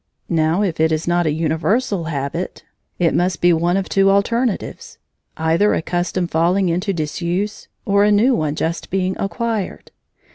Now if it is not a universal habit, it must be one of two alternatives, either a custom falling into disuse, or a new one just being acquired.